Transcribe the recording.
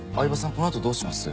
この後どうします？